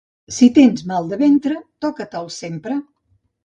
Si tens mal de ventre, toca-te'l sempre.